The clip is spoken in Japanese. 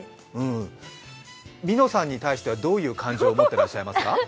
みのさんに対してはどういう感情を持ってらっしゃいますか？